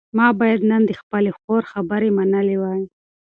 ما باید نن د خپلې خور خبره منلې وای.